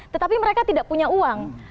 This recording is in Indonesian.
tetapi mereka tidak punya uang